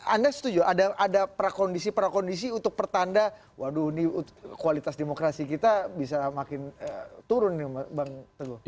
anda setuju ada prakondisi prakondisi untuk pertanda waduh ini kualitas demokrasi kita bisa makin turun nih bang teguh